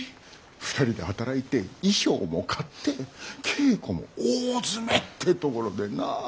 ２人で働いて衣装も買って稽古も大詰めってところでなあ。